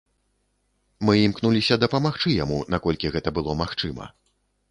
Мы імкнуліся дапамагчы яму наколькі гэта было магчыма.